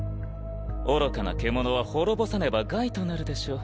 愚かな獣は滅ぼさねば害となるでしょう。